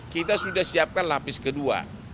kita sudah siapkan lapis kedua